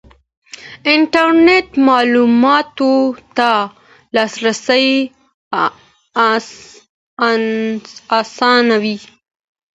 انټرنېټ معلوماتو ته لاسرسی اسانوي.